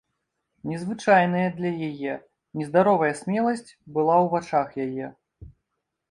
Незвычайная для яе, нездаровая смеласць была ў вачах яе.